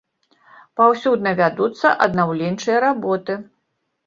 Паўсюдна вядуцца аднаўленчыя работы.